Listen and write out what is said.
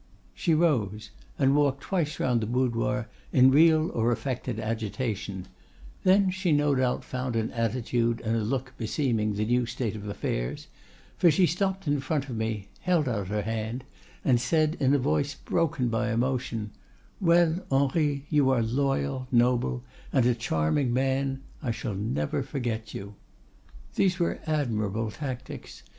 "She rose, and walked twice round the boudoir in real or affected agitation; then she no doubt found an attitude and a look beseeming the new state of affairs, for she stopped in front of me, held out her hand, and said in a voice broken by emotion, 'Well, Henri, you are loyal, noble, and a charming man; I shall never forget you.' "These were admirable tactics.